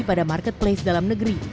pada marketplace dalam negeri